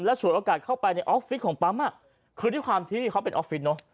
ฉวยโอกาสเข้าไปในออฟฟิศของปั๊มอ่ะคือด้วยความที่เขาเป็นออฟฟิศเนอะ